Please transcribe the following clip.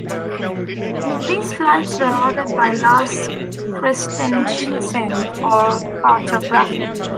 These flights were ordered by Lars Christensen for cartography.